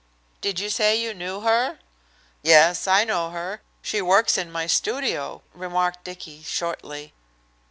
"Did you say you knew her?" "Yes, I know her; she works in my studio," remarked Dicky, shortly.